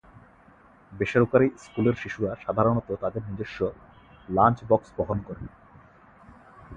বেসরকারি স্কুলের শিশুরা সাধারণত তাদের নিজস্ব লাঞ্চ বক্স বহন করে।